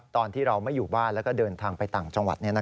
ตอนที่เราไม่อยู่บ้านแล้วก็เดินทางไปต่างจังหวัด